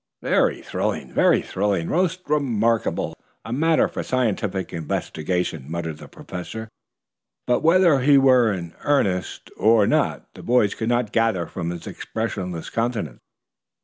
"Very thrilling, very thrilling. Most remarkable. A matter for scientific investigation," muttered the Professor, but whether he were in earnest or not the boys could not gather from his expressionless countenance.